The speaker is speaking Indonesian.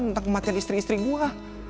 tentang kematian istri istri gue